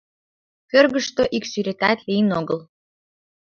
Пӧргыштӧ ик сӱретат лийын огыл.